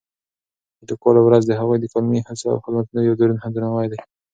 د لیکوالو ورځ د هغوی د قلمي هڅو او خدمتونو یو دروند درناوی دی.